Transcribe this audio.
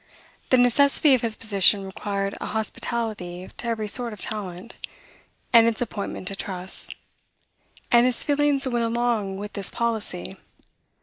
The necessity of his position required a hospitality to every sort of talent, and its appointment to trusts; and his feelings went along with this policy.